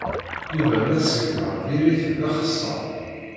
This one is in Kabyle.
Yuba d asegbar diri-t d axeṣṣar.